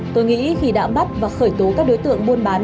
tôi nghĩ khi đã bắt và khởi tố các đối tượng buôn bán